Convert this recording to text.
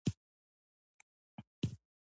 ګلاب د پاک نیت سمبول دی.